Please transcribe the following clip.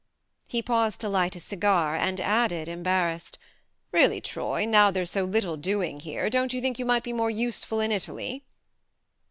He paused to light his cigar, and added, embarrassed :" Really, Troy, now there's so little doing here, don't you think you might be more useful in Italy